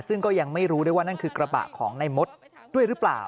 ซึ่งก็ยังไม่รู้ด้วยว่านั่นคือกระบะของในมดด้วยหรือเปล่า